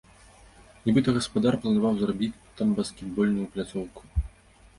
Нібыта, гаспадар планаваў зрабіць там баскетбольную пляцоўку.